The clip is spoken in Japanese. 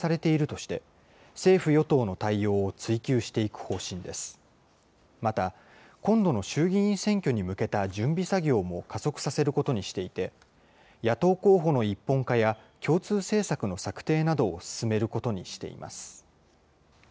また、今度の衆議院選挙に向けた準備作業も加速させることにしていて、野党候補の一本化や、共通政策の策定などを進めることにしています。